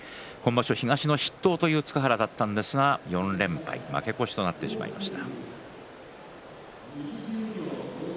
東の筆頭という塚原だったんですが４連敗で負け越しとなってしまいました。